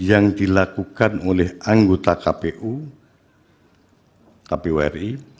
yang dilakukan oleh anggota kpu kpu ri